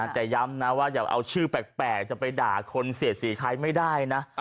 แต่ย้ำนะว่าอย่าเอาชื่อแปลกจะไปด่าคนเสียดสีใครไม่ได้นะ